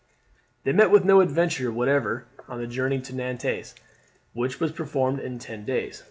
They met with no adventure whatever on the journey to Nantes, which was performed in ten days.